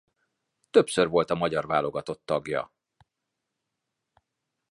Többször volt a magyar válogatott tagja.